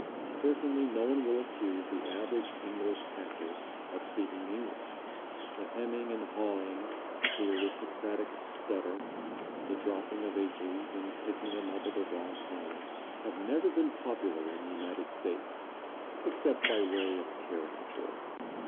Certainly no one will accuse the average English actor of speaking English. The hemming and hawing, the aristocratic stutter, the dropping of h's and picking them up at the wrong time, have never been popular in the United States, except by way of caricature.